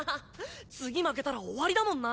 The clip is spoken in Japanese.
次負けたら終わりだもんな。